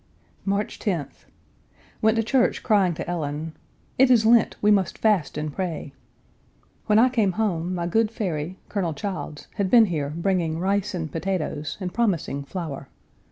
March 10th. Went to church crying to Ellen, "It is Lent, we must fast and pray." When I came home my good fairy, Colonel Childs, had been here bringing rice and potatoes, and promising flour.